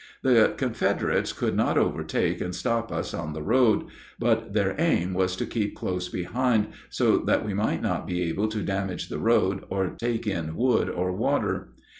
The Confederates could not overtake and stop us on the road; but their aim was to keep close behind, so that we might not be able to damage the road or take in wood or water.